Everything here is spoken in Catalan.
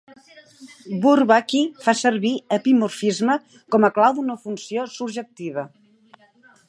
Bourbaki fa servir "epimorfisme" com a clau d'una funció surjectiva.